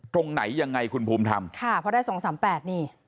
ตรงไหนยังไงคุณภูมิทำค่ะเพราะได้๒๓๘นี่